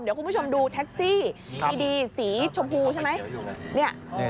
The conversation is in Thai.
เดี๋ยวคุณผู้ชมดูแท็กซี่ดีสีชมพูใช่ไหม